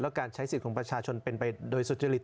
การใช้สิทธิ์ของประชาชนเป็นไปโดยสุจริต